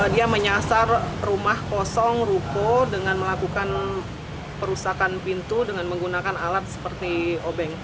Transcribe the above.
dia menyasar rumah kosong ruko dengan melakukan perusakan pintu dengan menggunakan alat seperti obeng